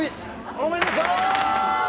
おめでとー！